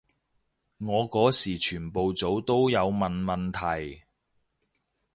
我嗰時全部組都有問問題